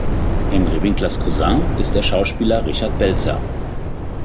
Henry Winklers Cousin ist der Schauspieler Richard Belzer.